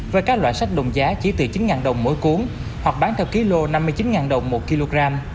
với các loại sách đồng giá chỉ từ chín đồng mỗi cuốn hoặc bán theo ký lô năm mươi chín đồng một kg